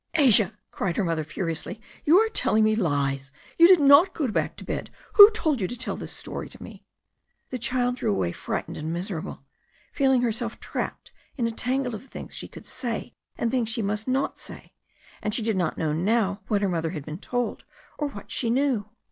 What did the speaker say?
"Asia," cried her mother furiously, "you are telling me lies. You did not go back to bed. Who told you to tell this story to me?" "] 98 THE STORY OF A NEW ZEALAND RIVER The child drew away frightened and miserable, feeling herself trapped in a tangle of things she could say and things she must not say. And she did not know now what her mother had been told, or what she knew.